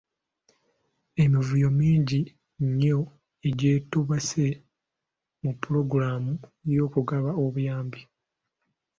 Emivuyo mingi nnyo egyetobese mu pulogulaamu y’okugaba obuyambi.